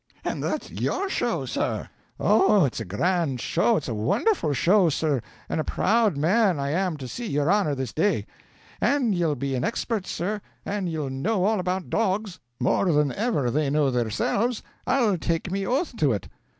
And that's your show, sir! Oh, it's a grand show, it's a wonderful show, sir, and a proud man I am to see your honor this day. And ye'll be an expert, sir, and ye'll know all about dogs more than ever they know theirselves, I'll take me oath to ut."